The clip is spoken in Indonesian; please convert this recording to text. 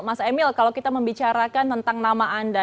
mas emil kalau kita membicarakan tentang nama anda